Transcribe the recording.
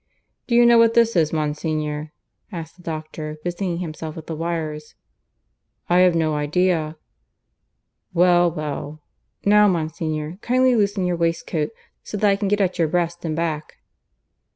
"Do you know what this is, Monsignor?" asked the doctor, busying himself with the wires. "I have no idea." "Well, well. ... Now, Monsignor, kindly loosen your waistcoat, so that I can get at your breast and back."